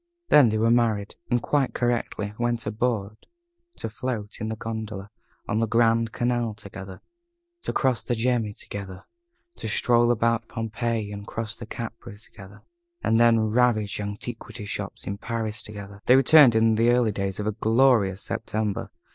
Then they were married, and, quite correctly, went abroad to float in a gondola on the Grand Canal together; to cross the Gemmi together; to stroll about Pompeii and cross to Capri together; and then ravage antiquity shops in Paris together. They returned in the early days of a glorious September.